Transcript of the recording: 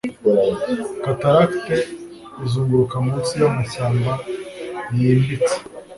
cataracte izunguruka munsi y'amashyamba yimbitse